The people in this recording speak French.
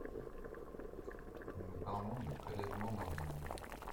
Nous parlons de prélèvements d’organes.